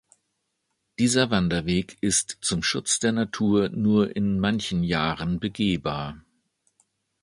Dieser Wanderweg ist zum Schutz der Natur nur in manchen Jahren begehbar.